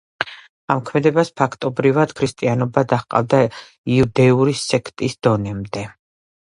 ამ ქმედებას ფაქტობრივად ქრისტიანობა დაჰყავდა იუდეური სექტის დონემდე.